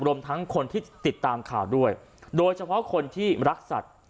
รวมทั้งคนที่ติดตามข่าวด้วยโดยเฉพาะคนที่รักสัตว์